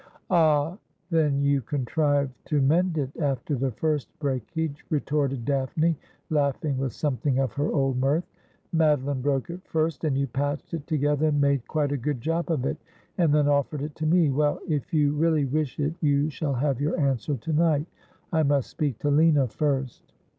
' Ah, then you contrived to mend it after the first breakage,' retorted Daphne, laughing with something of her old mirth. ' Madeline broke it first, and you patched it together and made quite a good job of it, and then offered it to me. Well, if you really wish it, you shall have your answer to night. I must speak to Lina first.'